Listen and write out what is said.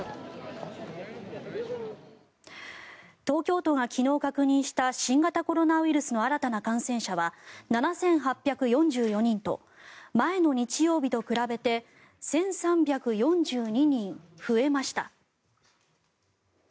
東京都が昨日確認した新型コロナウイルスの新たな感染者は７８４４人と前の日曜日と比べて１３４２人増えました。